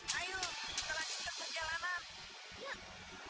ayo kita lanjutkan perjalanan